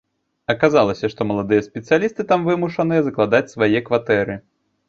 Аказалася, што маладыя спецыялісты там вымушаныя закладаць свае кватэры.